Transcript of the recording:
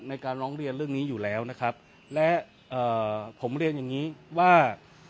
ในการร้องเรียนเรื่องนี้อยู่แล้วนะครับและเอ่อผมเรียนอย่างงี้ว่า